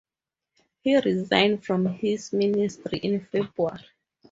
He resigned from his ministry in February.